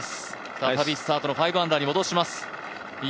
再びスタートの５アンダーに戻します。